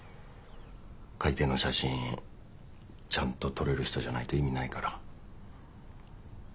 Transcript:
海底の写真ちゃんと撮れる人じゃないと意味ないから。